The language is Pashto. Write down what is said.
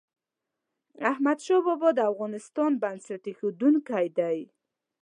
احمد شاه بابا د افغانستان بنسټ ایښودونکی ده.